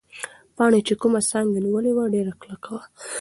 پاڼې چې کومه څانګه نیولې وه، ډېره کلکه وه.